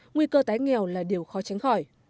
nguy cơ tái nghèo là điều khó tránh khỏi